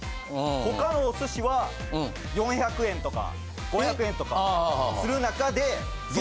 他のお寿司は４００円とか５００円とかする中で。